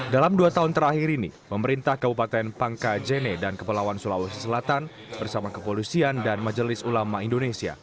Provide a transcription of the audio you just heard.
dalam dua tahun terakhir ini pemerintah kabupaten pangkajene dan kepulauan sulawesi selatan bersama kepolisian dan majelis ulama indonesia